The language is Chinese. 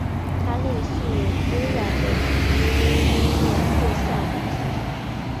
它类似微软的组件对象模型。